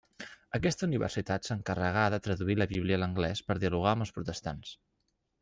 Aquesta universitat s'encarregà de traduir la Bíblia a l'anglès per dialogar amb els protestants.